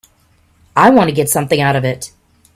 I want to get something out of it.